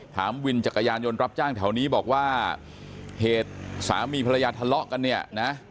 วินจักรยานยนต์รับจ้างแถวนี้บอกว่าเหตุสามีภรรยาทะเลาะกันเนี่ยนะ